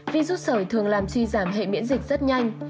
virus sởi thường làm suy giảm hệ miễn dịch rất nhanh